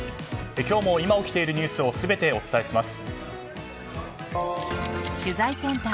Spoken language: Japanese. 今日も今起きているニュースを全てお伝えします。